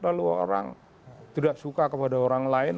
lalu orang tidak suka kepada orang lain